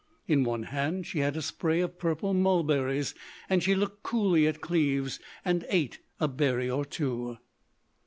In one hand she had a spray of purple mulberries, and she looked coolly at Cleves and ate a berry or two.